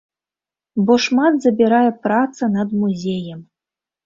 Бо шмат забірае праца над музеем.